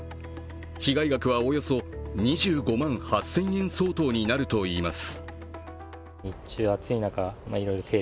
被害額はおよそ２５万８０００円相当になるといいます。